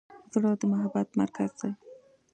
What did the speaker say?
زړه د محبت مرکز دی.